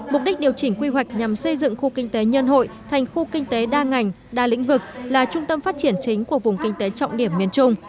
mục đích điều chỉnh quy hoạch nhằm xây dựng khu kinh tế nhân hội thành khu kinh tế đa ngành đa lĩnh vực là trung tâm phát triển chính của vùng kinh tế trọng điểm miền trung